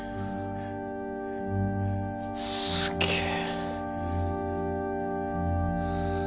すげえ。